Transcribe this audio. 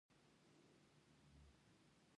ماشوم د لومړي ځل لپاره موسيقي واورېده.